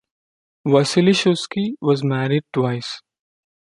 Vasili Shuisky was married twice.